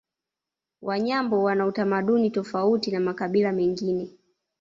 Wanyambo wana utamaduni tofauti na makabila mengine